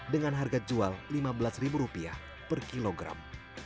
dengan harga jual rp lima belas per kilogram